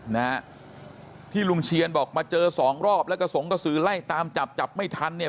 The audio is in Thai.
นะฮะที่ลุงเชียนบอกมาเจอสองรอบแล้วก็สงกระสือไล่ตามจับจับไม่ทันเนี่ย